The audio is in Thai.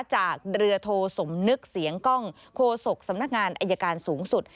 จากเรือโทสมนึกเสียงกล้องโคศกสำนักงานอายการสูงสุด